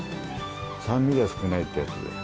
酸味が少ないってやつで。